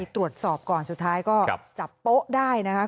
ตรวจสอบก่อนสุดท้ายก็จับโป๊ะได้นะครับ